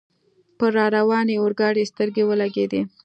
پر را روانې اورګاډي سترګې ولګېدې.